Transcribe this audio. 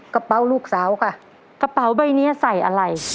กระเป๋าลูกสาวค่ะกระเป๋าใบเนี้ยใส่อะไร